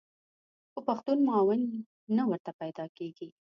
خو پښتون معاون نه ورته پیدا کېږي.